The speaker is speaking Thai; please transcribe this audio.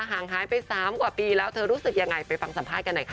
ห่างหายไป๓กว่าปีแล้วเธอรู้สึกยังไงไปฟังสัมภาษณ์กันหน่อยค่ะ